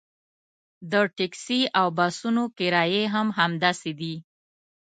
د ټکسي او بسونو کرایې هم همداسې دي.